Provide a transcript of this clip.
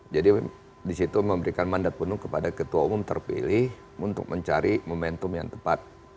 disitu memberikan mandat penuh kepada ketua umum terpilih untuk mencari momentum yang tepat